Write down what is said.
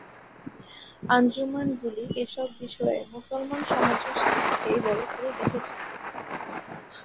আঞ্জুমানগুলি এসব বিষয়ে মুসলমান সমাজের স্বার্থকেই বড় করে দেখেছে।